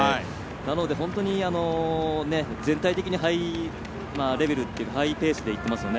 なので、本当に全体的にハイレベルというかハイペースでいっていますね。